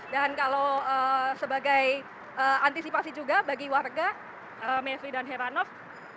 kalau sebagai antisipasi juga bagi warga mevri dan heranov